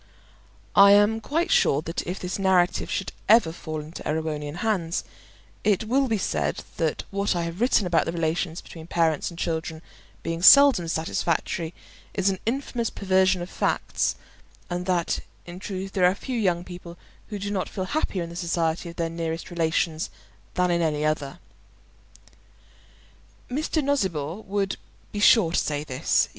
I am quite sure that if this narrative should ever fall into Erewhonian hands, it will be said that what I have written about the relations between parents and children being seldom satisfactory is an infamous perversion of facts, and that in truth there are few young people who do not feel happier in the society of their nearest relations than in any other. Mr. Nosnibor would be sure to say this.